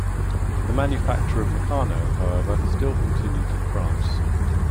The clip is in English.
The manufacture of Meccano, however, still continued in France.